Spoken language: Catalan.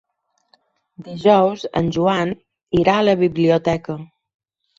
Dijous en Joan irà a la biblioteca.